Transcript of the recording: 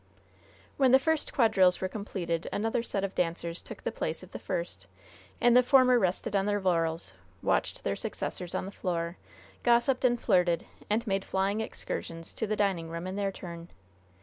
When the first quadrilles were completed, another set of dancers took the place of the first, and the former rested on their laurels, watched their successors on the floor, gossiped and flirted, and made flying excursions to the dining room in their turn.